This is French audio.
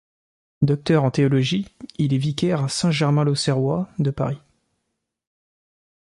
Docteur en théologie, il est vicaire à Saint-Germain-l'Auxerrois de Paris.